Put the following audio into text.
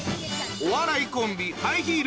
お笑いコンビ